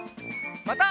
また。